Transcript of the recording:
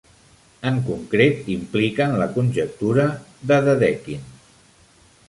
En concret, impliquen la conjectura de Dedekind.